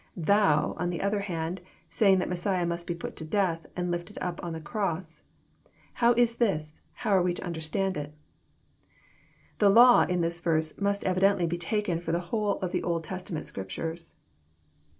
Thou, on the other hand, sayest that Mes siah must be put to death, and lifted up on the cross. How is this? How are we to understand it? "" The law," in this verse, must evidently be taken for the whole of the Old Testament Scriptures.